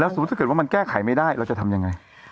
สมมุติถ้าเกิดว่ามันแก้ไขไม่ได้เราจะทำยังไง